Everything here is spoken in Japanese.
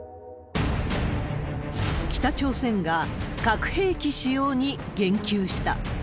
北朝鮮が核兵器使用に言及した。